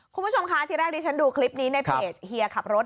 คุณผู้ชมคะที่แรกที่ฉันดูคลิปนี้ในเพจเฮียขับรถ